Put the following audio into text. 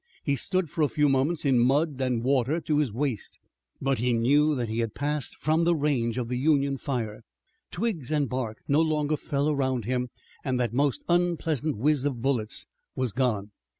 He stood for a few moments in mud and water to his waist, but he knew that he had passed from the range of the Union fire. Twigs and bark no longer fell around him and that most unpleasant whizz of bullets was gone.